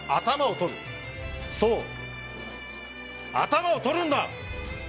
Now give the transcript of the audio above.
そう頭を取るんだ！